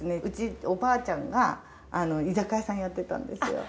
うちおばあちゃんが居酒屋さんやってたんですよ。